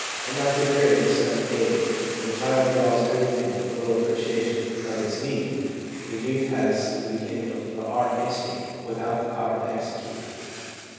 Unlike the period of 7 to 8, when the child draws everything with little appreciation of its meaning, the youth has the beginning of the art instinct without the power to execute it.